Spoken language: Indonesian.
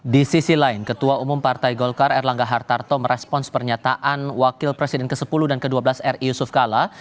di sisi lain ketua umum partai golkar erlangga hartarto merespons pernyataan wakil presiden ke sepuluh dan ke dua belas ri yusuf kala